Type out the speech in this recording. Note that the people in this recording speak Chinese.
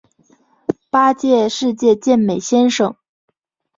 八届世界健美先生。